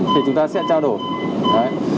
thì chúng ta sẽ trao đổi